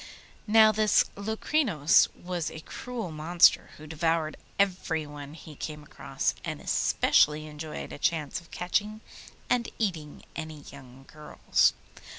Now this Locrinos was a cruel monster who devoured everyone he came across, and especially enjoyed a chance of catching and eating any young girls.